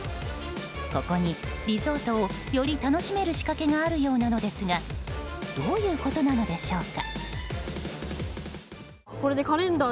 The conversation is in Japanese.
ここにリゾートをより楽しめる仕掛けがあるそうですがどういうことなのでしょうか。